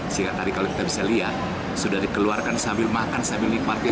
sehingga tadi kalau kita bisa lihat sudah dikeluarkan sambil makan sambil nikmati